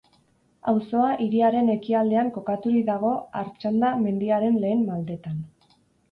Auzoa hiriaren ekialdean kokaturik dago Artxanda mendiaren lehen maldetan.